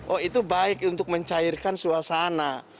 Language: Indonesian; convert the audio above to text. oh itu baik untuk mencairkan suasana